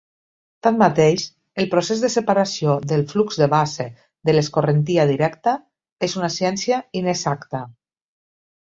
Tanmateix, el procés de separació del "flux de base" de "l'escorrentia directa" és una ciència inexacta.